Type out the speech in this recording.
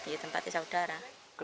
di tempatnya saudara